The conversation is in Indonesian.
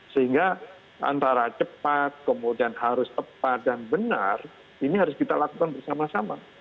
sehingga antara cepat kemudian harus tepat dan benar ini harus kita lakukan bersama sama